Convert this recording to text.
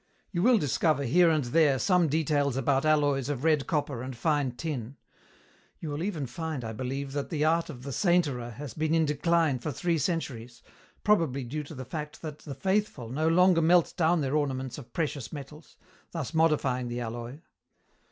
You will discover here and there some details about alloys of red copper and fine tin. You will even find, I believe, that the art of the 'sainterer' has been in decline for three centuries, probably due to the fact that the faithful no longer melt down their ornaments of precious metals, thus modifying the alloy.